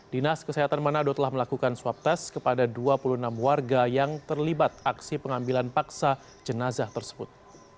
dinas kesehatan manado telah melakukan swab test kepada dua puluh enam warga yang terlibat aksi pengambilan paksa jenazah tersebut